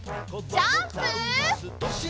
ジャンプ！